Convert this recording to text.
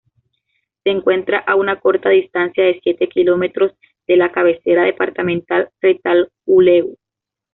Se encuentra a una corta distancia de siete kilómetros de la cabecera departamental Retalhuleu.